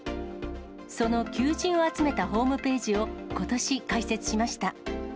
その求人を集めたホームページをことし開設しました。